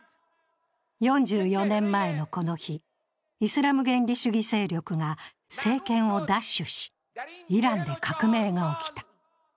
４４年前のこの日、イスラム原理主義勢力が政権を奪取し、イランで革命が起きた。